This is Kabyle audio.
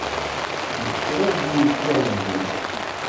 Yekra-d imkariyen.